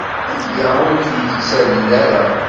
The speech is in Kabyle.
Aya ur k-yettalel ara.